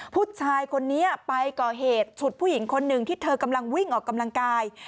ผู้ชายคนนี้ไปก่อเหตุฉุดผู้หญิงคนหนึ่งที่เธอกำลังวิ่งออกกำลังกาย